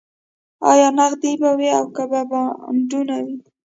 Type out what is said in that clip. ایا نغدې به وي او که به بانډونه وي